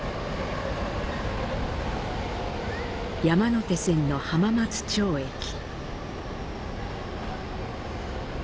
山手線の浜松町駅。